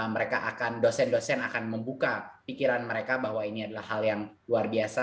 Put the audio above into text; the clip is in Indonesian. mereka akan dosen dosen akan membuka pikiran mereka bahwa ini adalah hal yang luar biasa